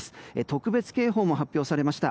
特別警報も発表されました。